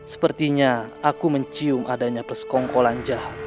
sepertinya aku mencium adanya pesekongkolan jahat